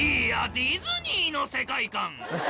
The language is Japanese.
ディズニーの世界観！